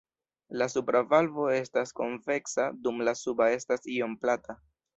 La supra valvo estas konveksa dum la suba estas iom plata.